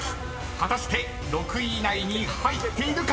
［果たして６位以内に入っているか⁉］